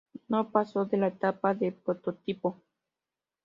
No pasó de la etapa de prototipo.